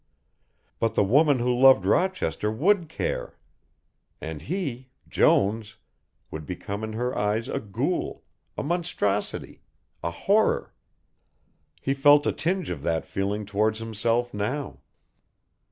But the woman who loved Rochester would care. And he, Jones, would become in her eyes a ghoul, a monstrosity, a horror. He felt a tinge of that feeling towards himself now.